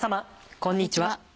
こんにちは。